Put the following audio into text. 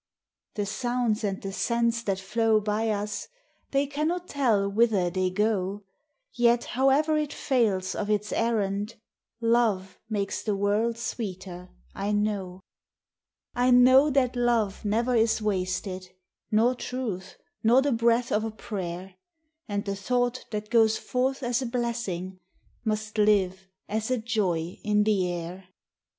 The sounds and the scents that flow by us — They cannot tell whither they go; Yet, however it fails of its errand, Love makes the world sweeter, I know. I know that love never is wasted, Nor truth, nor the breath of a prayer; And the. thought that goes forth as a blessing Must live, as a joy in the air.